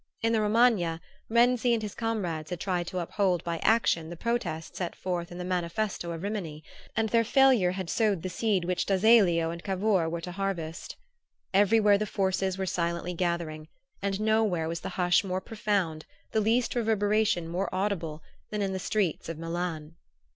In the Romagna, Renzi and his comrades had tried to uphold by action the protest set forth in the "Manifesto of Rimini"; and their failure had sowed the seed which d'Azeglio and Cavour were to harvest. Everywhere the forces were silently gathering; and nowhere was the hush more profound, the least reverberation more audible, than in the streets of Milan.